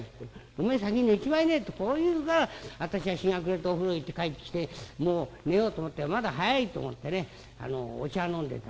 『おめえ先に寝ちまいなよ』ってこう言うから私は日が暮れてお風呂行って帰ってきてもう寝ようと思ったらまだ早いと思ってねお茶飲んでたの。